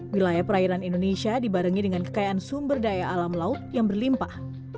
wilayah perairan indonesia dibarengi dengan kekayaan sumber daya alam laut yang berlimpah